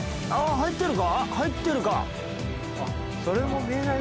入ってるか？